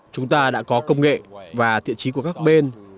chúng ta đã có công nghệ và thiện trí của các bên